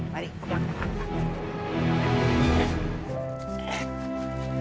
mari ke atas